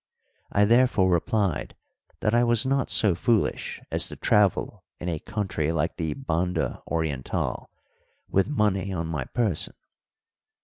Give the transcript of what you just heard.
I therefore replied that I was not so foolish as to travel in a country like the Banda Orientál with money on my person.